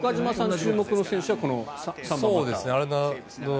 注目の選手はこの３番の方。